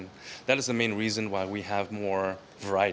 dan itu adalah alasan utama mengapa kita memiliki lebih banyak varian